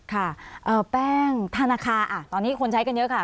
ค่ะแป้งธนาคารตอนนี้คนใช้กันเยอะค่ะ